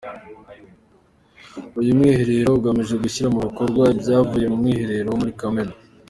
Uyu mwiherero ugamije gushyira mu bikorwa ibyavuye mu mwiherero wo muri Kamena.